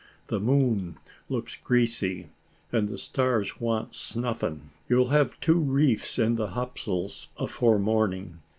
The moon looks greasy, and the stars want snuffing. You'll have two reefs in the topsails afore morning.